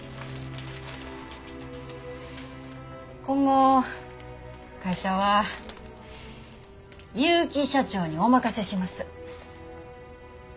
今後会社は結城社長にお任せします。